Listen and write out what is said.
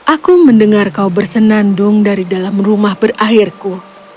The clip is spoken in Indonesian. aku mendengar kau bersenandung dari dalam rumah berakhirku